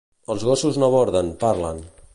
Els gossos no borden, parlen.